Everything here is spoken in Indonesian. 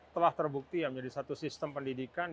telah terbukti ya menjadi satu sistem pendidikan